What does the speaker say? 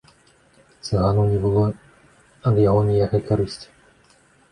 Цыгану не было ад яго ніякай карысці.